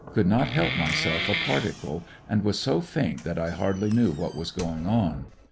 Could not help myself a particle, and was so faint that I hardly knew what was going on.